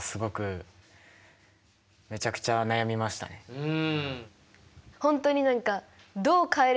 うん。